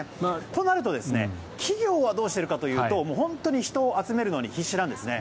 となると企業はどうしているかというと本当に人を集めるのに必死なんですね。